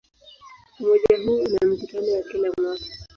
Umoja huu una mikutano ya kila mwaka.